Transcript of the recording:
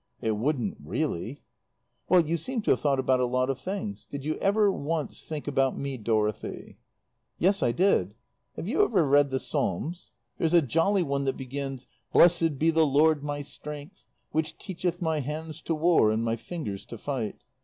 "It wouldn't, really." "Well, you seem to have thought about a lot of things. Did you ever once think about me, Dorothy?" "Yes, I did. Have you ever read the Psalms? There's a jolly one that begins: 'Blessed be the Lord my strength, which teacheth my hands to war and my fingers to fight.'